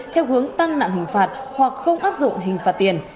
theo hướng tăng nặng hình phạt hoặc không áp dụng hình phạt tiền